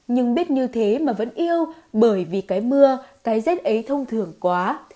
nhưng biết như thế mà vẫn yêu bởi vì cái mưa cái rét ấy thông thường quá